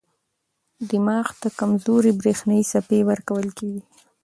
دماغ ته کمزورې برېښنايي څپې ورکول کېږي.